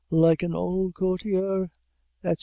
Like an old courtier, etc."